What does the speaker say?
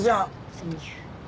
サンキュー。